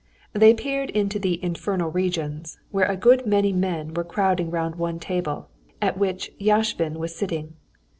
They peeped into the "infernal regions," where a good many men were crowding round one table, at which Yashvin was sitting.